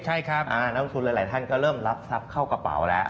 ใช่ครับนักลงทุนหลายท่านก็เริ่มรับทรัพย์เข้ากระเป๋าแล้ว